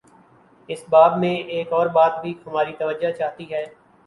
اس باب میں ایک اور بات بھی ہماری توجہ چاہتی ہے۔